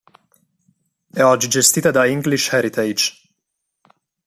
È oggi gestita da English Heritage.